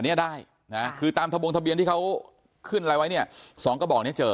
อันนี้ได้คือตามทะมงทะเบียนที่เขาขึ้นไลน์ไว้เนี่ย๒กระบอกนี้เจอ